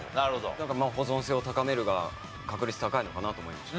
なんか「保存性を高める」が確率高いのかなと思いました。